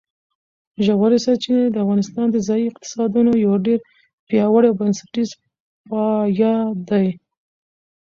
ژورې سرچینې د افغانستان د ځایي اقتصادونو یو ډېر پیاوړی او بنسټیز پایایه دی.